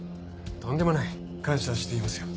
とんでもない。感謝していますよ。